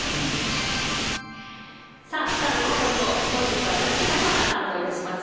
スター☆ニュース速報本日は私、佐久間が担当致します。